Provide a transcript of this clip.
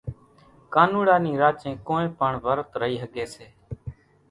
ڪانوڙا نِي راچين ڪونئين پڻ ورت رئي ۿڳي سي